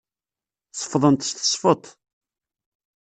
Sefḍent s tesfeḍt.